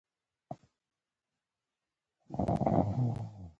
تاسو یوازې ژوند کوئ؟